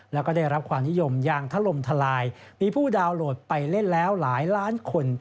แล้วก็ได้รับความนิยมอย่างทะลมทลายมีผู้ดาวนโหลดไปเล่นแล้วหลายล้านคน